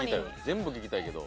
全部聞きたいけど。